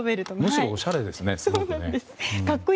むしろおしゃれですね。